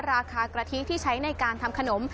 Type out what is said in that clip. ราคากะทิที่ใช้ในการทำขนม